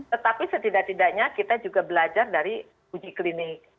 tetapi setidak tidaknya kita juga belajar dari uji klinik